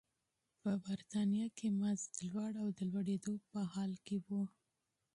په برېټانیا کې مزد لوړ او د لوړېدو په حال کې و.